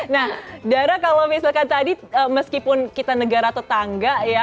nah dara kalau misalkan tadi meskipun kita negara tetangga ya